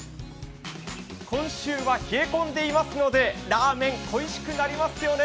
今週は冷え込んでいますので、ラーメンおいしくなりますよね。